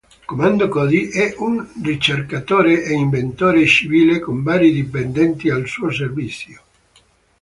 Commando Cody è un ricercatore e inventore civile con vari dipendenti al suo servizio.